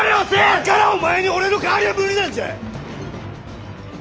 だからお前に俺の代わりは無理なんじゃ！